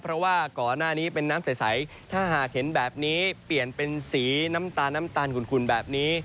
เพราะว่าก่อนหน้านี้เป็นน้ำใสถ้าหากเห็นแบบนี้เปลี่ยนเป็นสีน้ำตาลน้ำตาลขุ่นแบบนี้